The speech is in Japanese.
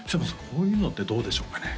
こういうのってどうでしょうかね？